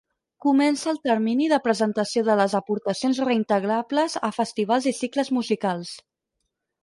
Comença el termini de presentació de les aportacions reintegrables a festivals i cicles musicals.